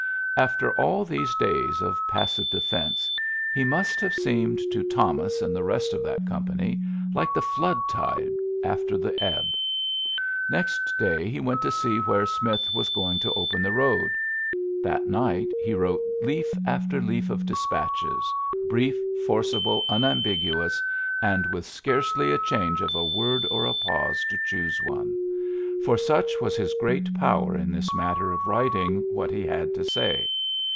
After all these days of passive defence, he must have seemed to Thomas and the iiurary woii Ap* 86 ULYSSES S. GEAOT? rest of that company like the flood ti^^ after the ebb. Next day he went to s^ where Smith was going to open the roai^ That night he wrote leaf after leau of despatches^ brie^ forcible, xmambig uons, and with scarcely a change of a word or a pause to choose one ; for such was his great power in this matter of writing what he had to say.